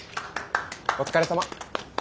お疲れさま。